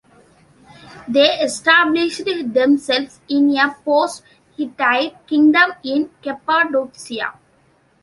They established themselves in a post-Hittite kingdom in Cappadocia.